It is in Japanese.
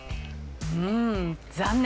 うーん残念。